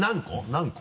何個？